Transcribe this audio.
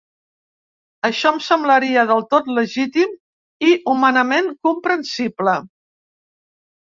Això em semblaria del tot legítim i humanament comprensible.